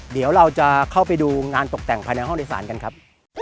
เดี๋ยวเราจะเข้าไปดูงานตกแต่งภายในห้องโดยสารกันครับ